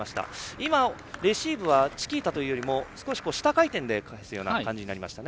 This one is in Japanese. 今、レシーブはチキータというよりも少し下回転のような感じになりましたね。